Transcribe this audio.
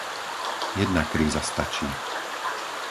Jedna kríza stačí.